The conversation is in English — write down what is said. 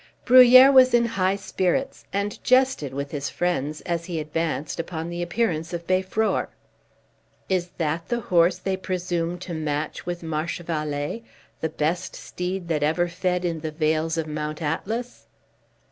Bruhier was in high spirits, and jested with his friends, as he advanced, upon the appearance of Beiffror. "Is that the horse they presume to match with Marchevallee, the best steed that ever fed in the vales of Mount Atlas?"